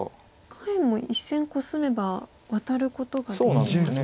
下辺も１線コスめばワタることができますか。